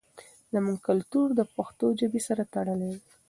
زموږ کلتور د پښتو ژبې سره تړلی دی.